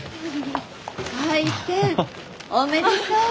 開店おめでとう。